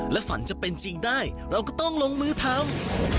และฝันจะเป็นจริงได้เราก็ต้องลงมือทำ